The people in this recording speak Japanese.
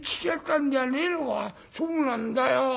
「そうなんだよ。